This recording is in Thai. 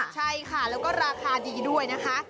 ใช่ค่ะแล้วก็ราคาดีด้วยนะคะ